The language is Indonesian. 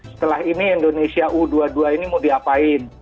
setelah ini indonesia u dua puluh dua ini mau diapain